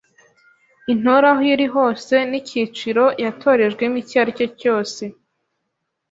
Intore aho iri hose n’icyiciro yatorejwemo icyo aricyo cyose,